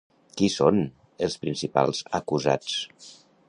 Qui són els principals acusats?